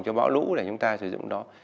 cho báo lũ để chúng ta sử dụng đó